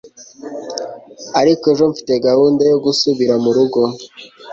ariko, ejo mfite gahunda yo gusubira murugo